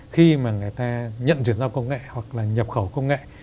khi mà người ta nhận chuyển giao công nghệ hoặc là nhập khẩu công nghệ